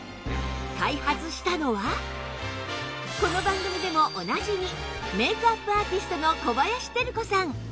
この番組でもおなじみメイクアップアーティストの小林照子さん